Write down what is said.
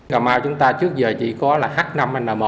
cà mau chúng ta trước giờ chỉ có là h năm n một